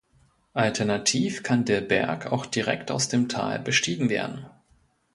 Alternativ kann der Berg auch direkt aus dem Tal bestiegen werden.